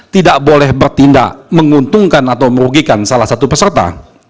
tidak boleh bertindak menguntungkan atau merugikan salah satu peserta